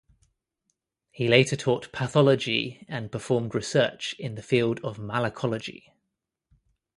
He later taught pathology and performed research in the field of malacology.